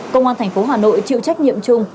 công an thành phố hà nội chịu trách nhiệm chung